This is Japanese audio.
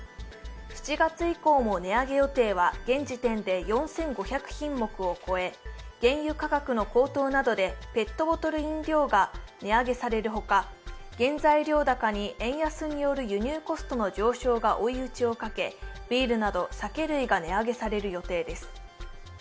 ７月以降も値上げ予定は現時点で４５００品目を超え原油価格の高騰などでペットボトル入り飲料が値上げされるほか、原材料高に輸入による円安による輸入コストの上昇が追い打ちをかけ、ビールなど酒類が値上げされる予定です。